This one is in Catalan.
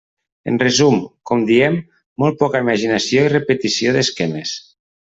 En resum, com diem, molt poca imaginació i repetició d'esquemes.